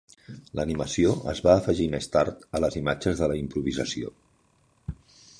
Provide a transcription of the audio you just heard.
L'animació es va afegir més tard a les imatges de la improvisació.